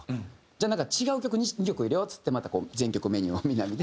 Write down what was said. じゃあなんか違う曲２曲入れようっつってまた全曲メニューをみんなで見て。